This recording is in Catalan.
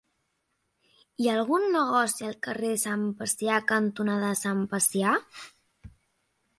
Hi ha algun negoci al carrer Sant Pacià cantonada Sant Pacià?